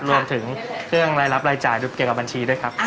รวมถึงเครื่องรายรับรายจ่ายเกี่ยวกับบัญชีด้วยครับ